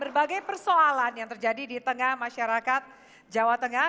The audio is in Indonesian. berbagai persoalan yang terjadi di tengah masyarakat jawa tengah